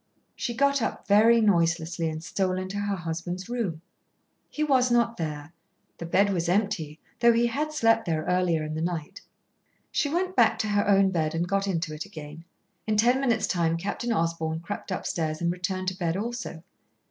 She got up very noiselessly and stole into her husband's room. He was not there; the bed was empty, though he had slept there earlier in the night. She went back to her own bed and got into it again. In ten minutes' time Captain Osborn crept upstairs and returned to bed also.